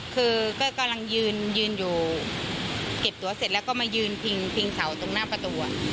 คือก็กำลังยืนยืนอยู่เก็บตัวเสร็จแล้วก็มายืนพิงเสาตรงหน้าประตู